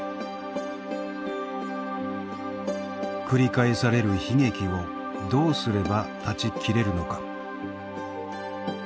繰り返される悲劇をどうすれば断ち切れるのか。